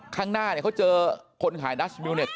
ข้างหน้าเนี่ยเขาเจอคนขายดัชมิวเนี่ย